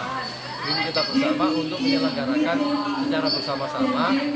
ini kita bersama untuk menyelenggarakan secara bersama sama